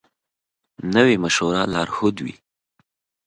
نوی مشوره لارښود وي